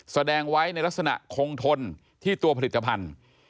แสดงไว้ในลักษณะคงทนที่ตัวผลิตภัณฑ์